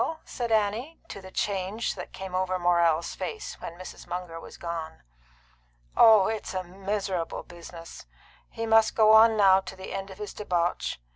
said Annie, to the change which came over Morrell's face when Mrs. Munger was gone. "Oh, it's a miserable business! He must go on now to the end of his debauch.